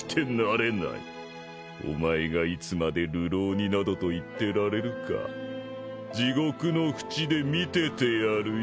お前がいつまで流浪人などと言ってられるか地獄の淵で見ててやるよ。